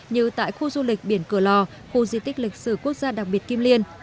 như tại khu du lịch biển cửa lò khu di tích lịch sử quốc gia đặc biệt kim liên